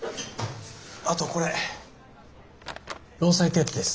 あとこれ労災手当です。